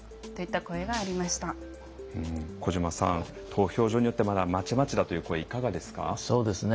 投票所によってはまちまちだという声いかがですか？